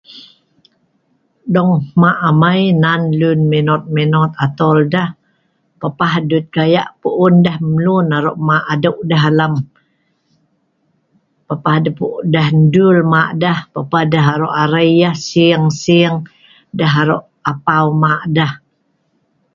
Dong hma' amai nan lun minot-minot atol deh, papah dut gayah puun deh mlun aro' mah' adeu' deh alam, papah deh puh' deh endul mah' deh, papah deh aro' arei' yah sing-sing deh aro' apau mah' deh.